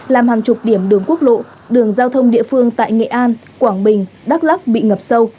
làm hàng chục điểm đường quốc lộ đường giao thông địa phương tại nghệ an quảng bình đắk lắc bị ngập sâu